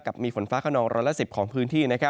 กับมีฝนฟ้าขนอง๑๑๐ของพื้นที่